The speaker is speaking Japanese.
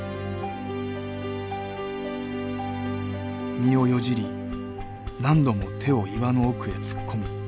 身をよじり何度も手を岩の奥へ突っ込み